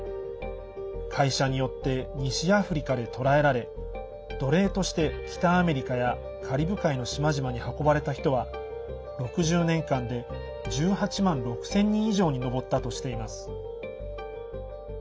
会社によって西アフリカで捕らえられ奴隷として、北アメリカやカリブ海の島々に運ばれた人は６０年間で１８万６０００人以上に上ったとしています。